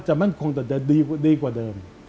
แต่มันคงจะดีกว่าเดิม